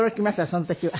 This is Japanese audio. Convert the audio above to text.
その時は。